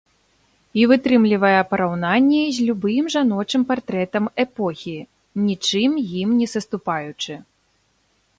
І вытрымлівае параўнанні з любым жаночым партрэтам эпохі, нічым ім не саступаючы.